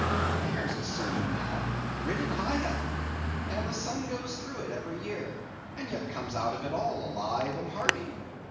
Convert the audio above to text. There's a sermon now, writ in high heaven, and the sun goes through it every year, and yet comes out of it all alive and hearty.